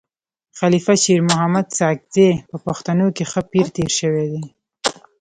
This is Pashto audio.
خلیفه شیرمحمد ساکزی په پښتنو کي ښه پير تير سوی دی.